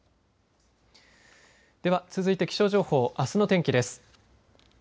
では続いて気象情報あすの天気です。